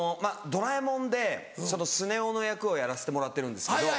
『ドラえもん』でスネ夫の役をやらせてもらってるんですけど。